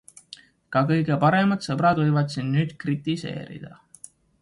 Ka kõige paremad sõbrad võivad sind nüüd kritiseerida.